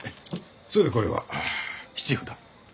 それでこれは質札。